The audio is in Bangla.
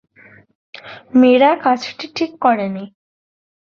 মীরা কাজটি ঠিক করে নি।